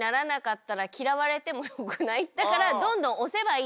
だから。